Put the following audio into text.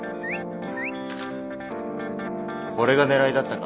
これが狙いだったか。